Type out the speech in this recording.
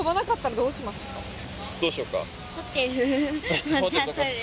どうしようか？